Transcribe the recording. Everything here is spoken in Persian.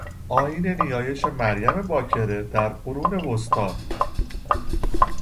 آیین نیایش مریم باکره در قرون وسطی